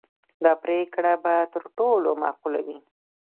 دا پرېکړه به تر ټولو معقوله وي.